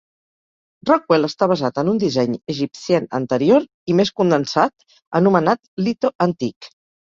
Rockwell està basat en un disseny Egyptienne anterior i més condensat anomenat "Litho Antique".